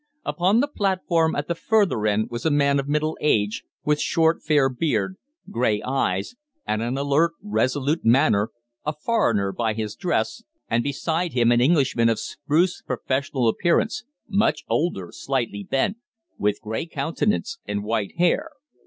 Upon the platform at the further end was a man of middle age, with short fair beard, grey eyes, and an alert, resolute manner a foreigner by his dress and beside him an Englishman of spruce professional appearance much older, slightly bent, with grey countenance and white hair.